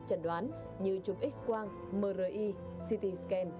chẳng đoán như trục x quang mri ct scan